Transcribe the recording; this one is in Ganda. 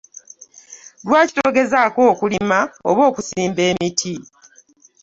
Lwaki togezako okulima oba okusimba emiti.